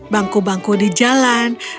bangku bangku di jalan